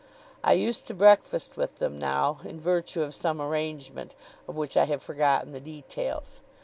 I used to breakfast with them now, in virtue of some arrangement, of which I have forgotten the details.